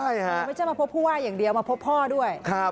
ไม่ใช่มาพบผู้ว่าอย่างเดียวมาพบพ่อด้วย